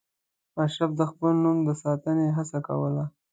اشراف د خپل نوم د ساتنې هڅه کوله.